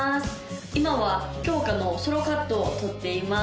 今はきょうかのソロカットを撮っています